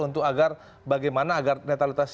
untuk bagaimana agar netralitas